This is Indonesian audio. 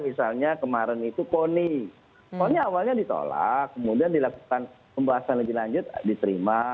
misalnya kemarin itu koni koni awalnya ditolak kemudian dilakukan pembahasan lebih lanjut diterima